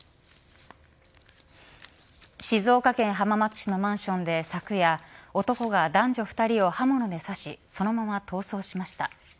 静岡県浜松市のマンションで昨夜男が男女２人を刃物で刺しそのまま逃走しました。